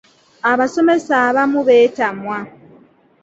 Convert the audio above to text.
Abasomesa abamu beetamwa.